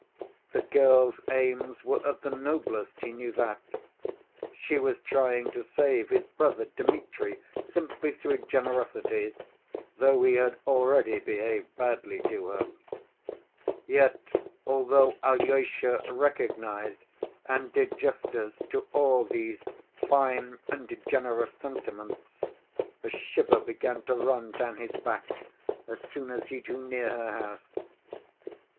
The girl's aims were of the noblest, he knew that. She was trying to save his brother Dmitri simply through generosity, though he had already behaved badly to her. Yet, although Alyosha recognized and did justice to all these fine and generous sentiments, a shiver began to run down his back as soon as he drew near her house.